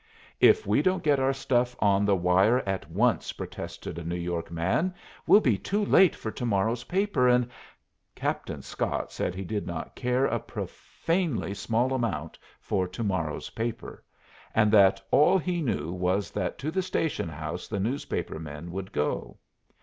"If we don't get our stuff on the wire at once," protested a New York man, "we'll be too late for to morrow's paper, and " Captain Scott said he did not care a profanely small amount for to morrow's paper, and that all he knew was that to the station house the newspaper men would go.